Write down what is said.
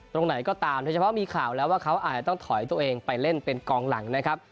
ตรงไหนก็ตามโดยเฉพาะมีข่าวแล้วว่าเขาอาจจะต้องถอยตัวเองไปเล่นเป็นกองหลังนะครับ